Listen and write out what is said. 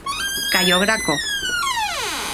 Cayo Graco.